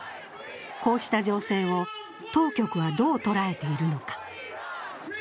こうした情勢を当局はどう捉えているのか。